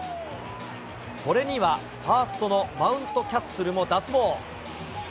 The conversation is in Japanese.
これにはファーストのマウントキャッスルも脱帽。